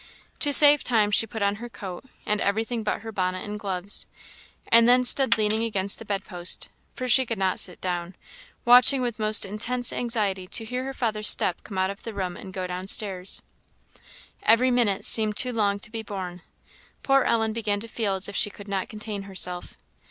To save time she put on her coat, and everything but her bonnet and gloves; and then stood leaning against the bed post, for she could not sit down, watching with most intense anxiety to hear her father's step come out of the room and go down stairs. Every minute seemed too long to be borne; poor Ellen began to feel as if she could not contain herself.